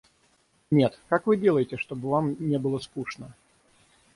Нет, как вы делаете, чтобы вам не было скучно?